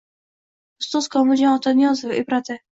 Ustoz Komiljon Otaniyozov ibrati